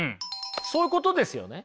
そういうことですよね。